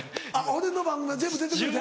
俺の番組は全部出てくれた。